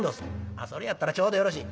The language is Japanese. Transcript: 「あそれやったらちょうどよろしい。